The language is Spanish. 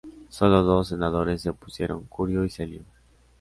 Sólo dos senadores se opusieron, Curio y Celio.